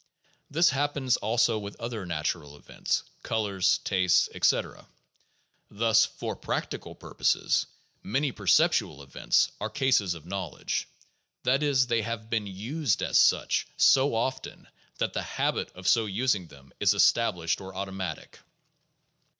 This happens also with other natural events, colors, tastes, etc. Thus, for practical purposes, many perceptual events are cases of knowl edge ; that is, they have been used as such so often that the habit of so using them is established or automatic.